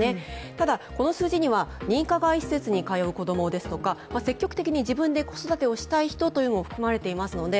ただこの数字には、認可外施設に通う子供ですとか積極的に自分で子育てをしたい人というのも含まれていますので